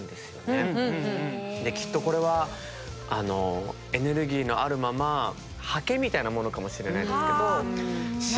きっとこれはエネルギーのあるままはけみたいなものかもしれないですけど。はなるほど！